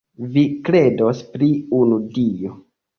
Vi kredos pri unu Dio.